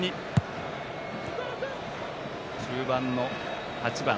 中盤の８番